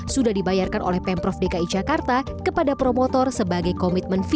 sudah dibayarkan oleh pemprov dki jakarta kepada promotor sebagai komitmen fee